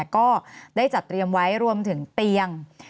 ก็ได้จัดเตรียมไว้รวมถึงเตียง